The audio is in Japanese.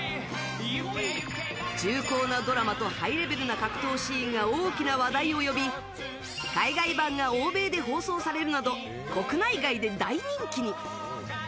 重厚なドラマとハイレベルな格闘シーンが大きな話題を呼び海外版が欧米で放送されるなど国内外で大人気に。